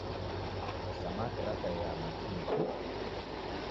Samaki rakaia machinyi tu.